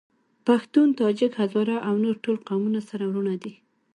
پښتون ، تاجک ، هزاره او نور ټول قومونه سره وروڼه دي.